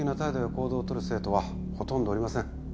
行動を取る生徒はほとんどおりません。